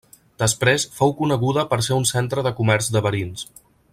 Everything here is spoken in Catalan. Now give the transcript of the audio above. Després fou coneguda per ser un centre de comerç de verins.